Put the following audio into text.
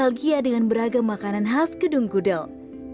nostalgia dengan beragam makanan khas gedung kudel